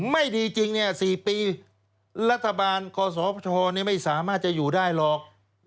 ไม่ดีจริง๔ปีรัฐบาลคอสชไม่สามารถจะอยู่ได้หรอก